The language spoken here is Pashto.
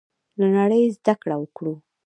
له نړۍ زده کړه وکړو.